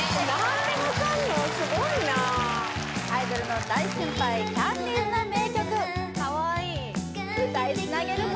すごいなアイドルの大先輩キャンディーズの名曲歌いつなげるか？